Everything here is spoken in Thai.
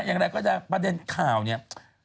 อย่างไรก็จะประเด็นข่าวเนี่ย